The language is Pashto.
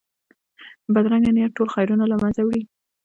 بدرنګه نیت ټول خیرونه له منځه وړي